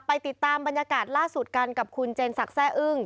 ติดตามบรรยากาศล่าสุดกันกับคุณเจนศักดิ์แซ่อึ้ง